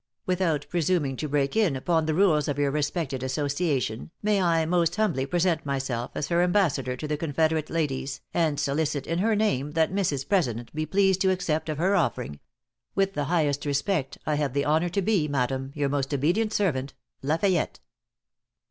Without presuming to break in upon the rules of your respected association, may I most humbly present myself as her ambassador to the confederate ladies, and solicit in her name that Mrs. President be pleased to accept of her offering. With the highest respect, I have the honor to be, Madam, your most obedient servant, La Fayette.